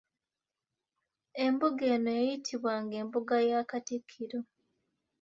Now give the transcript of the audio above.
Embuga eno yayitibwanga embuga ya Katikkiro.